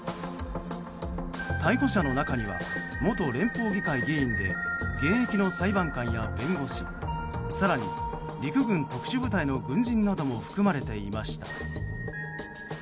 逮捕者の中には元連邦議会議員で現役の裁判官や弁護士、更に陸軍特殊部隊の軍人なども含まれていました。